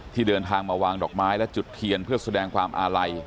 เดินทางมาวางดอกไม้และจุดเทียนเพื่อแสดงความอาลัย